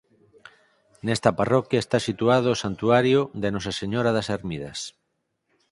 Nesta parroquia está situado o Santuario de Nosa Señora das Ermidas.